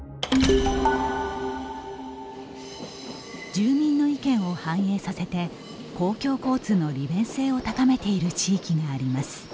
住民の意見を反映させて公共交通の利便性を高めている地域があります。